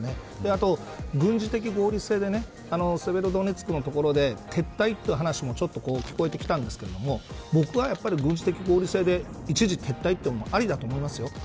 あと、軍事的合理性でセベロドネツクのところで撤退という話も聞こえてきたんですが僕は、軍事的合理性で一時撤退もありだと思います。